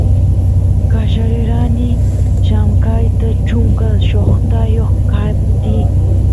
qallarerani llamkayta chunka shoqtayoq kaptiy